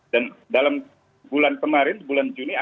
dan dalam bulan kemarin bulan juni